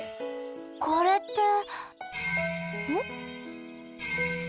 これってん？